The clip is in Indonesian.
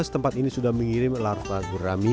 tempat ini sudah mengirim larva gurami